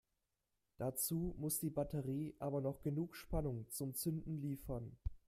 Dazu muss die Batterie aber noch genug Spannung zum Zünden liefern.